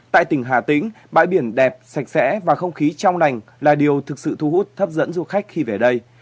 tại tỉnh hà tĩnh bãi biển đẹp sạch sẽ và không khí trong lành là điều thực sự thu hút hấp dẫn du khách khi về đây